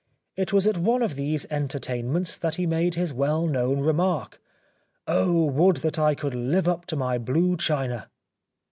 It was at one of these entertainments that he made his well known remark, " Oh, would that I could live up to my blue china